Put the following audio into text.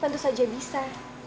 tentu saja bisa